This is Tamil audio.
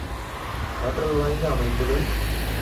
ஆற்றல் வாய்ந்த அமைப்புக்கள்?